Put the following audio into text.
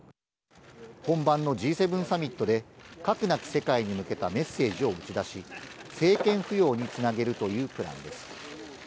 本番のＧ７サミットで、核なき世界に向けたメッセージを打ち出し、政権浮揚につなげるというプランです。